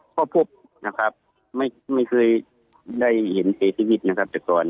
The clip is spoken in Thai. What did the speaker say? ก็พบนะครับไม่เคยได้เห็นเศรษฐกิจนะครับจากก่อน